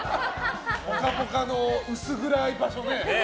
「ぽかぽか」の薄暗い場所ね。